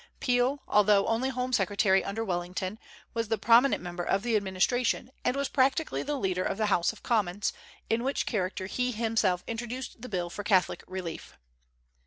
Peel, although only home secretary under Wellington, was the prominent member of the administration, and was practically the leader of the House of Commons, in which character he himself introduced the bill for Catholic relief.